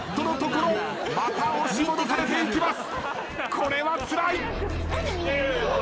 これはつらい。